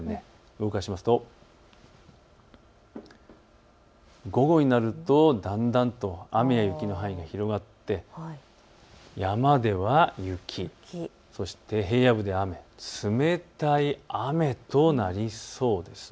動かしますと、午後になると、だんだんと雨や雪の範囲が広がって山では雪、そして平野部では雨、冷たい雨となりそうです。